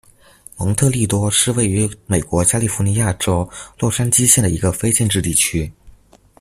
蒙特尼多是位于美国加利福尼亚州洛杉矶县的一个非建制地区。